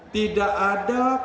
tidak ada laki laki sukses